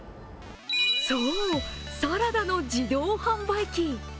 そう、サラダの自動販売機。